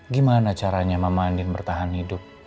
gimana caranya mama andin bertahan hidup